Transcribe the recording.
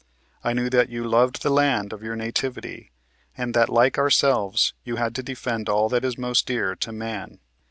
I knew that you loved the land of your nativity, and that, like ourselves, you had to defend all that is most dear to man.